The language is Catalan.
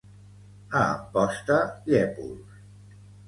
A Amposta, llépols.